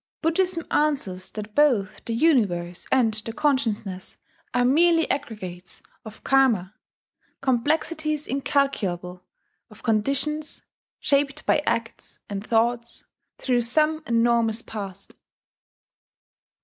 Buddhism answers that both the universe and the consciousness are merely aggregates of Karma complexities incalculable of conditions shaped by acts and thoughts through some enormous past.